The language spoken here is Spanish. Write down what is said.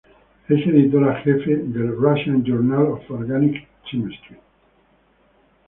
Es editora jefe del "Russian Journal of Organic Chemistry".